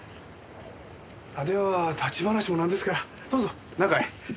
では立ち話もなんですからどうぞ中へ。